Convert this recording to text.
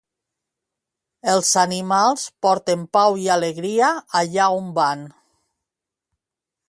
Els animals porten pau i alegria allà on van.